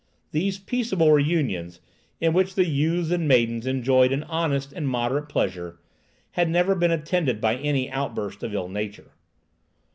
These peaceable reunions, in which the youths and maidens enjoyed an honest and moderate pleasure, had never been attended by any outburst of ill nature.